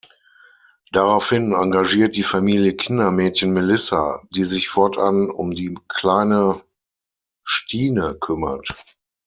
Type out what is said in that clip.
Daraufhin engagiert die Familie Kindermädchen Melissa, die sich fortan um die kleine Stine kümmert.